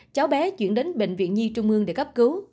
cháu bé chuyển đến bệnh viện nhi trung ương để cấp cứu